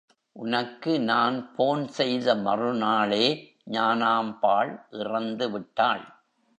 உனக்கு நான் போன் செய்த மறுநாளே ஞானாம்பாள் இறந்து விட்டாள்.